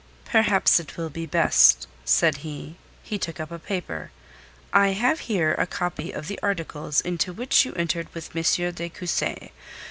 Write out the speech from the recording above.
"Perhaps it will be best," said he. He took up a paper. "I have here a copy of the articles into which you entered with M. de Cussy.